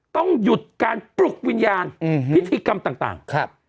ต้องหยุดการปลุกวิญญาณพิธีกรรมต่างครับ